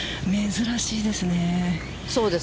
珍しいですね。